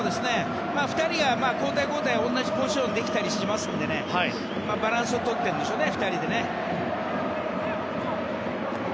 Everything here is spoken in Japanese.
２人が交代で同じポジションもできたりしますから２人でバランスをとってるんでしょうね。